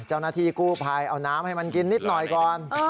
เจ้าหน้าที่กู้ภัยเอาน้ำให้มันกินนิดหน่อยก่อน